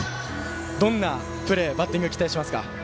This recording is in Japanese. どんなプレーバッティング期待しますか。